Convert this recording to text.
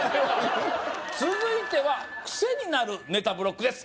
続いてはクセになるネタブロックです